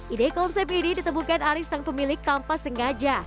ide konsep ini ditemukan arief sang pemilik tanpa sengaja